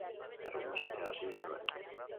Errudun sentiarazi ninduen.